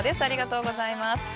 ありがとうございます。